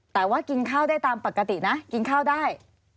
แต่ว่ากินข้าวได้ตามปกตินะกินข้าวได้